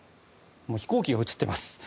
飛行機が写っています。